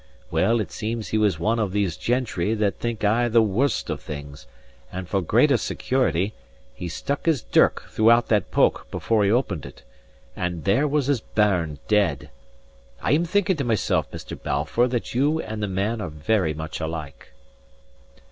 Well, it seems he was one of these gentry that think aye the worst of things; and for greater security, he stuck his dirk throughout that poke before he opened it, and there was his bairn dead. I am thinking to myself, Mr. Balfour, that you and the man are very much alike."